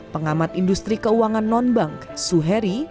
pengamat industri keuangan non bank suheri